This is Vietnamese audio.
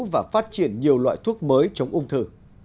và phát triển nhiều loại thuốc mới chống ung thư